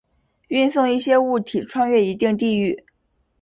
运送一些物体穿越一定地域。